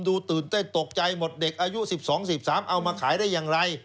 ถูกใส่ตกใจหมดเด็กอายุ๑๐๑๒เอามาขายได้อย่างไร